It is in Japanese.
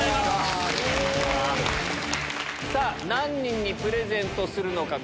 何人にプレゼントするのか。